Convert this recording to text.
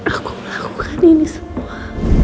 aku melakukan ini semua